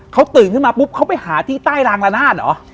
เขาตื่นขึ้นมาปุ๊บเขาไปหาที่ใต้รางละนาดเหรอ